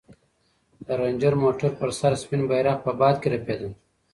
د رنجر موټر پر سر سپین بیرغ په باد کې رپېده.